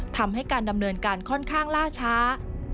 ทำให้การดำเนินการค่อนข้างล่าช้า